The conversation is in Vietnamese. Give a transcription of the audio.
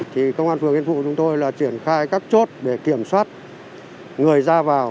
thì công an phường yên phụ chúng tôi là triển khai các chốt để kiểm soát người ra vào